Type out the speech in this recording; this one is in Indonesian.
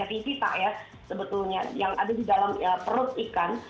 ya itu jenis tiga tipis ya sebetulnya yang ada di dalam perut ikan